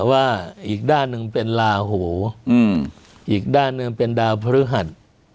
ว่าอีกด้านหนึ่งเป็นลาหูอีกด้านหนึ่งเป็นดาวพฤหัส